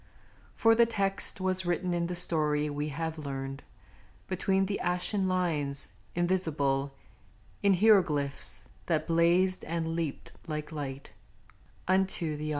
for the text Was written in the story we have learned, Between the ashen lines, invisible, In hieroglyphs that blazed and leaped like light Unto the eyes.